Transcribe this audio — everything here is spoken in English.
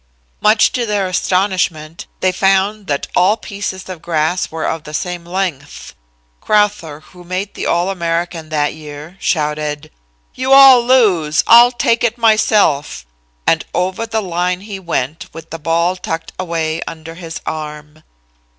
Much to their astonishment, they found that all the pieces of grass were of the same length. Crowther, who made the All American that year, shouted: "You all lose. I'll take it myself," and over the line he went with the ball tucked away under his arm.